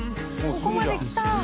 ここまで来た。